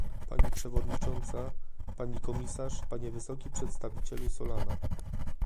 Pani przewodnicząca, pani komisarz, panie wysoki przedstawicielu Solana